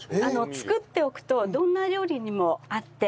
作っておくとどんな料理にも合って。